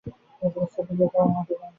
তিনি তার স্ত্রীকে বিয়ে করার অনুমতি দেন।